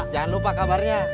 jangan lupa kabarnya